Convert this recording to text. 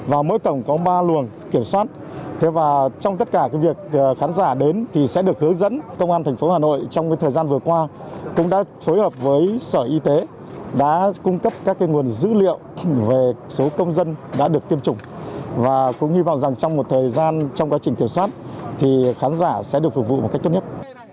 và cũng hy vọng rằng trong một thời gian trong quá trình kiểm soát thì khán giả sẽ được phục vụ một cách tốt nhất